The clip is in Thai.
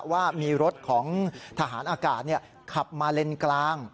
ว่ามีรถของทหารอากาศขับมาเลนกลาง